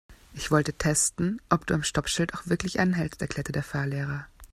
Ich wollte testen, ob du am Stoppschild auch wirklich anhältst, erklärte der Fahrlehrer.